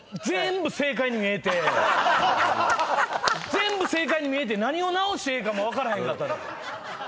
全部正解に見えて何を直してええかも分からへんかったのよ。